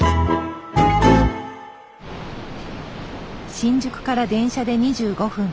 新宿から電車で２５分。